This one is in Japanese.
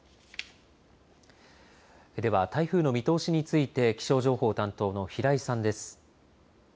では台風の見通しについて気象情報担当の平井さんです。